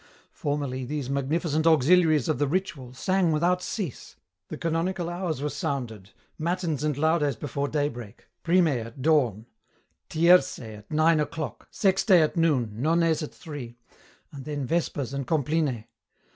Formerly these magnificent auxiliaries of the ritual sang without cease. The canonical hours were sounded, Matins and Laudes before daybreak, Prime at dawn, Tierce at nine o'clock, Sexte at noon, Nones at three, and then Vespers and Compline.